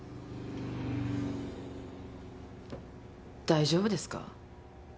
大丈夫ですか？